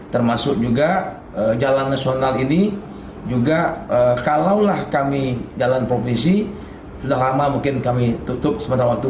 termasuk juga jalan nasional ini juga kalaulah kami jalan provinsi sudah lama mungkin kami tutup sementara waktu